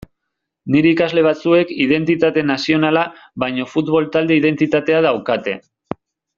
Nire ikasle batzuek identitate nazionala baino futbol-talde identitatea daukate.